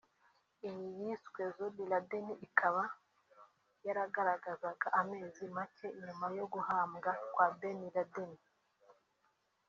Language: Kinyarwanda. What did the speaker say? Iyi yiswe “Zombinladen” ikaba yaragaragazaga amezi make nyuma yo guhambwa kwa Ben Laden